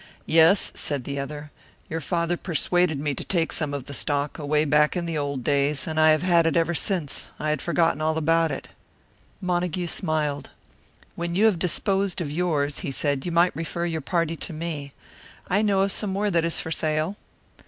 "Yes," said the other. "Your father persuaded me to take some of the stock, away back in the old days. And I have had it ever since. I had forgotten all about it." Montague smiled. "When you have disposed of yours," he said, "you might refer your party to me. I know of some more that is for sale."